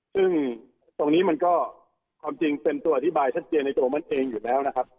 ซึ่งตรงนี้มันก็ความจริงเป็นตัวอธิบายชัดเจนในตัวมันเองอยู่แล้วนะครับ